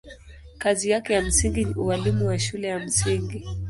Kazi yake ya msingi ni ualimu wa shule ya msingi.